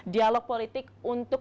dialog politik untuk